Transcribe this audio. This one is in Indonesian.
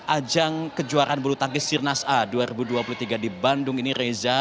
ajang kejuaraan bulu tangkis sirnas a dua ribu dua puluh tiga di bandung ini reza